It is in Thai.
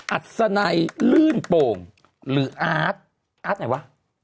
อัศนัยลื่นโป่งหรืออาร์ตอาร์ตไหนวะ